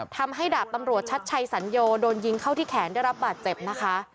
ดาบตำรวจชัดชัยสัญโยโดนยิงเข้าที่แขนได้รับบาดเจ็บนะคะ